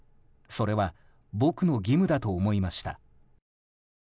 それは僕の義務だと思いました。